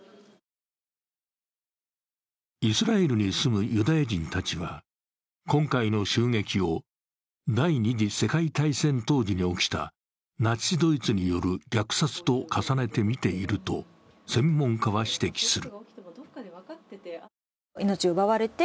イスラエルに住むユダヤ人たちは今回の襲撃を第２次世界大戦当時に起きたナチスドイツによる虐殺と重ねてみていると専門家は指摘する。